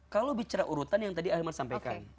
kalau bicara urutan yang tadi ahilman sampaikan